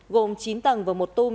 gồm chín tầng và một tùm